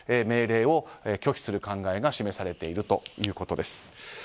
命令を拒否する考えが示されているということです。